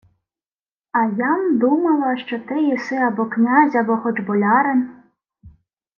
— А я-м думала, що ти єси або князь, або хоч болярин.